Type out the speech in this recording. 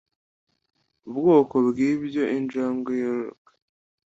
ubwoko bwibyo Injangwe Yororoka